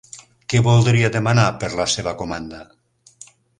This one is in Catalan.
Que voldria demanar per la seva comanda?